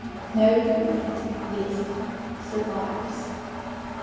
No complete list survives.